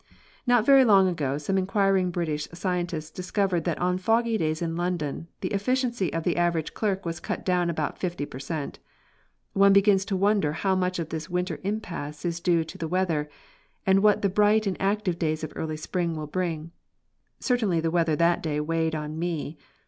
Not very long ago some inquiring British scientist discovered that on foggy days in London the efficiency of the average clerk was cut down about fifty per cent. One begins to wonder how much of this winter impasse is due to the weather, and what the bright and active days of early spring will bring. Certainly the weather that day weighed on me.